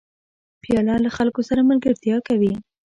پیاله له خلکو سره ملګرتیا کوي.